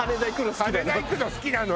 羽田行くの好きなの。